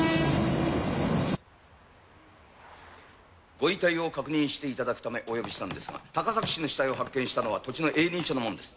ご遺体を確認していただくためお呼びしたのですが高崎氏の死体を発見したのは土地の営林署の者です。